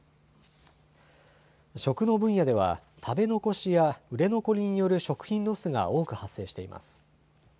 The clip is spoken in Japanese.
食の分野では、食べ残しや売れ残りによる食品ロスが多く発生しています。